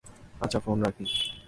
আচ্ছা ফোন রাখি।